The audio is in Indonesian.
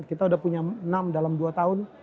kita sudah punya enam dalam dua tahun